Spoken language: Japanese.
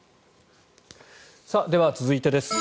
では、続いてです。